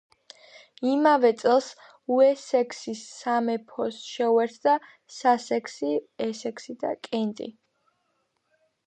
იმავე წელს უესექსის სამეფოს შეუერთდა სასექსი, ესექსი და კენტი.